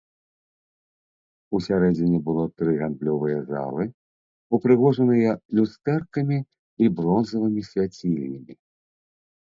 Усярэдзіне было тры гандлёвыя залы, упрыгожаныя люстэркамі і бронзавымі свяцільнямі.